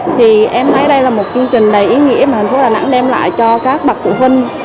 thì em thấy đây là một chương trình đầy ý nghĩa mà thành phố đà nẵng đem lại cho các bậc phụ huynh